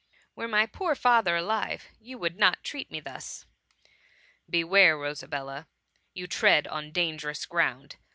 Were my poor fadier alive you would not treat me thus." ^^ Beware, Rosabella, you tread on dangerous ground